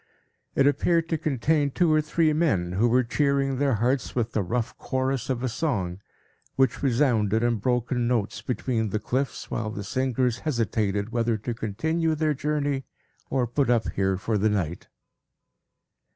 It appeared to contain two or three men, who were cheering their hearts with the rough chorus of a song, which resounded, in broken notes, between the cliffs, while the singers hesitated whether to continue their journey, or put up here for the night.